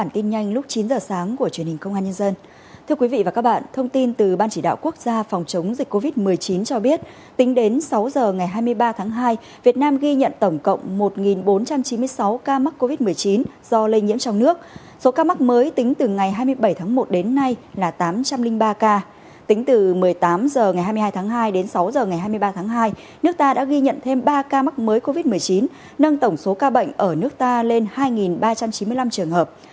từ bốn h ngày hai mươi hai tháng hai đến sáu h ngày hai mươi ba tháng hai nước ta đã ghi nhận thêm ba ca mắc mới covid một mươi chín nâng tổng số ca bệnh ở nước ta lên hai ba trăm chín mươi năm trường hợp